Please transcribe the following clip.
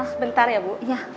sebentar ya bu